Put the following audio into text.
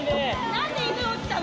何で犬落ちたの？